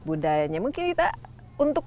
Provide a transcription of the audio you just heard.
budayanya mungkin kita untuk